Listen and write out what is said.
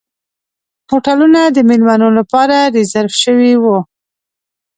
هوټلونه د میلمنو لپاره ریزرف شوي وو.